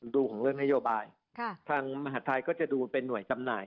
ดูของเรื่องนโยบายทางมหาธัยก็จะดูเป็นหน่วยจำหน่าย